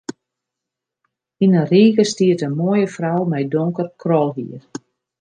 Yn de rige stiet in moaie frou mei donker krolhier.